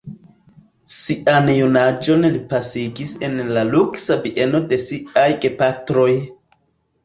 Sian junaĝon li pasigis en la luksa bieno de siaj gepatroj.